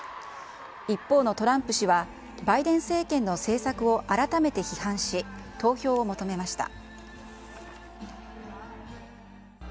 一方のトランプ氏は、バイデン政権の政策を改めて批判し、投票を求めました。